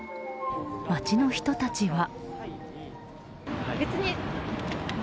街の人たちは。